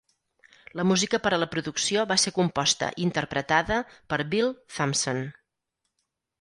La música per a la producció va ser composta i interpretada per Bill Thompson.